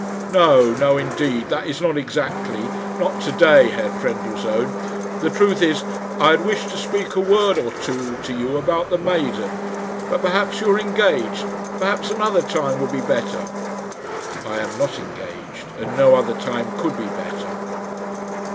"No no indeed; that is, not exactly; not to day, Herr Trendellsohn. The truth is, I had wished to speak a word or two to you about the maiden; but perhaps you are engaged perhaps another time would be better." "I am not engaged, and no other time could be better."